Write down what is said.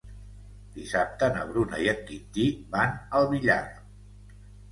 Dissabte na Bruna i en Quintí van al Villar.